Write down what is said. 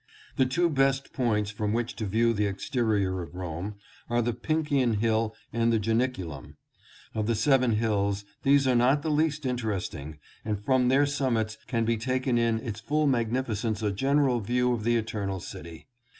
The two best points from which to view the exterior of Rome are the Pincian Hill and the Janiculum. Of the seven hills these are not the least interesting, and from their summits can be taken in its full magnifi cence a general view of the Eternal City.